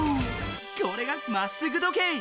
これが「まっすぐ時計」。